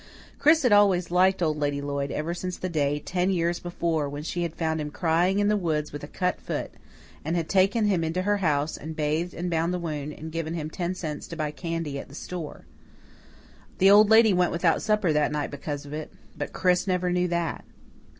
Chris had always liked Old Lady Lloyd ever since the day, ten years before, when she had found him crying in the woods with a cut foot and had taken him into her house, and bathed and bound the wound, and given him ten cents to buy candy at the store. The Old Lady went without supper that night because of it, but Chris never knew that.